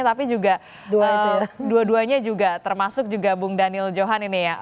tapi juga dua duanya juga termasuk juga bung daniel johan ini ya